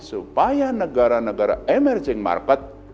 supaya negara negara emerging market